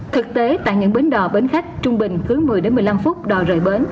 thực tế tại những bến đò bến khách trung bình cứ một mươi một mươi năm phút đòi rời bến